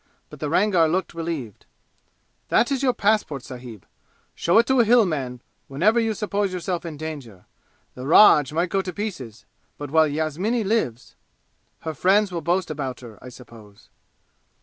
But the Rangar looked relieved. "That is your passport, sahib! Show it to a Hill man whenever you suppose yourself in danger. The Raj might go to pieces, but while Yasmini lives " "Her friends will boast about her, I suppose!"